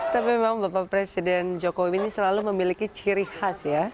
tapi memang bapak presiden jokowi ini selalu memiliki ciri khas ya